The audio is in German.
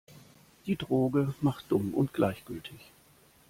Die Droge macht dumm und gleichgültig.